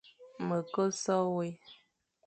Me ke so wé,